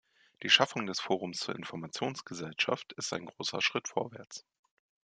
Die Schaffung des Forums zur Informationsgesellschaft ist ein großer Schritt vorwärts.